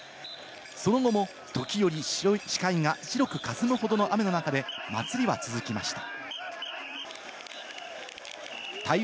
その後も時折、視界が白くかすむほどの雨の中で祭りは続きました。